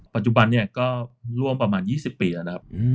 ปัจจุบันเนี่ยก็ร่วมประมาณ๒๐ปีแล้วนะครับ